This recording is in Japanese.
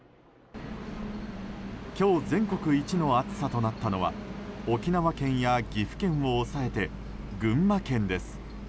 今日、全国一の暑さとなったのは沖縄県や岐阜県を抑えて群馬県です。